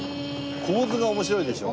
構図が面白いでしょ？